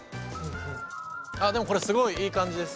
でもこれすごいいい感じです。